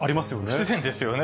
不自然ですよね。